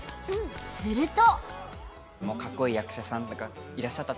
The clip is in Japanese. すると。